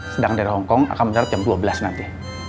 sedangkan dari hongkong akan mendarat jam dua belas nanti